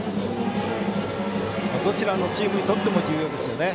どちらのチームにとっても重要ですよね。